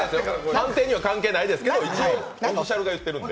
判定には関係ないですけど、一応、オフィシャルが言ってるので。